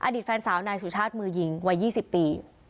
อดีตแฟนสาวนายสุชาติมือยิงวัย๒๐ปี